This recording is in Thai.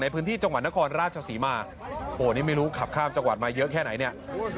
พื้นที่จังหวัดนครราชศรีมาโอ้นี่ไม่รู้ขับข้ามจังหวัดมาเยอะแค่ไหนเนี่ย